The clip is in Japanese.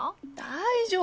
大丈夫よ。